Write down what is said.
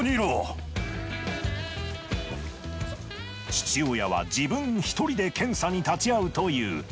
父親は自分１人で検査に立ち会うという。